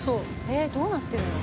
えっどうなってるの？